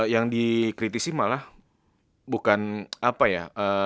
yang dikritisi malah bukan apa ya